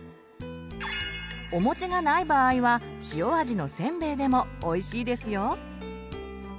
お餅がない場合は塩味のせんべいでもおいしいですよ！